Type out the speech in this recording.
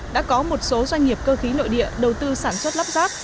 đã có một số doanh nghiệp cơ khí nội địa đầu tư sản xuất lắp ráp